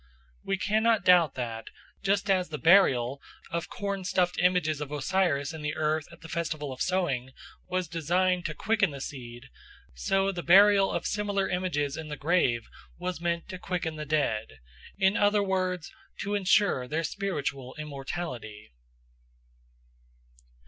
We cannot doubt that, just as the burial of corn stuffed images of Osiris in the earth at the festival of sowing was designed to quicken the seed, so the burial of similar images in the grave was meant to quicken the dead, in other words, to ensure their spiritual immortality.